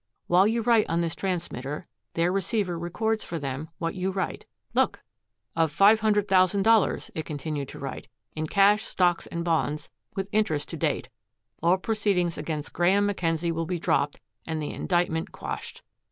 While you write on this transmitter, their receiver records for them what you write. Look!" "... of $500,000," it continued to write, "in cash, stocks and bonds, with interest to date, all proceedings against Graeme Mackenzie will be dropped and the indictment quashed.